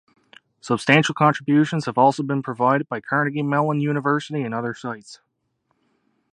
Substantial contributions have also been provided by Carnegie Mellon University and other sites.